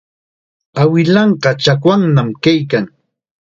Awilanqa chakwannam kaykan.